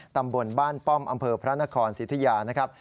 ตำบลบ้านป้อมอำเภอพระนครสิทธิยานะครับ